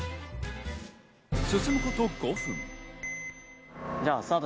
進むこと５分。